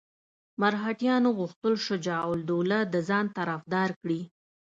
مرهټیانو غوښتل شجاع الدوله د ځان طرفدار کړي.